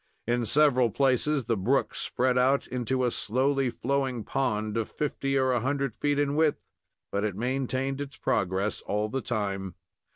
In several places the brook spread out into a slowly flowing pond of fifty or a hundred feet in width; but it maintained its progress all the time.